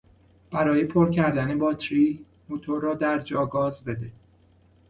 برای پر کردن باتری موتور را در جا گاز بده.